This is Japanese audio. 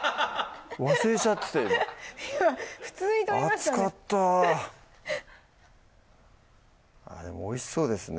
忘れちゃってて今今普通に取りましたね熱かったあっでもおいしそうですね